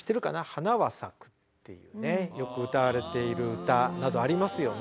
「花は咲く」っていうねよく歌われている歌などありますよね。